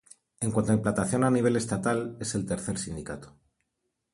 En cuanto a implantación a nivel estatal, es el tercer sindicato.